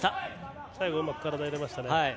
最後うまく体入れましたね。